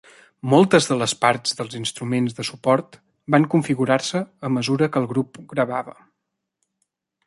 Moltes de les parts dels instruments de suport van configurar-se a mesura que el grup gravava.